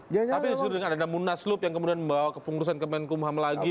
tapi yang cukup dengan ada munaslup yang kemudian membawa ke pengurusan kemenkumham lagi